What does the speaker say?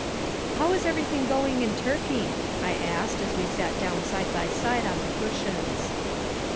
"How is everything going in Turkey?" I asked as we sat down side by side on the cushions.